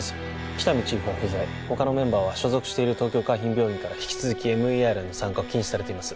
喜多見チーフは不在他のメンバーは所属している東京海浜病院から引き続きＭＥＲへの参加を禁止されています